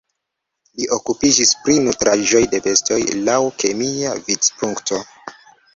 Li okupiĝis pri nutraĵoj de bestoj laŭ kemia vidpunkto.